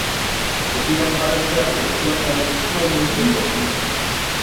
مۇشۇنداق ھالەتتە بۇزۇقچىلىق ئەۋجىگە چىقماي مۇمكىنمۇ؟ !